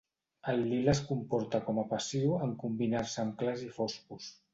El lila es comporta com a passiu en combinar-se amb clars i foscos.